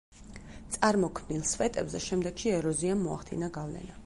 წარმოქმნილ სვეტებზე შემდეგში ეროზიამ მოახდინა გავლენა.